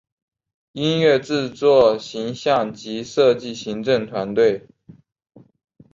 音乐制作形像及设计行政团队